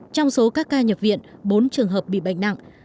trong số các ca nhập viện bốn trường hợp bị bệnh nặng